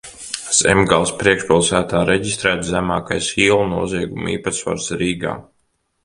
Zemgales priekšpilsētā reģistrēts zemākais ielu noziegumu īpatsvars Rīgā.